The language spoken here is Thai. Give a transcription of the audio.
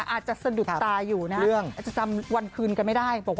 อาจจะสะดุดตาอยู่อาจจะจำวันคืนกันไม่ได้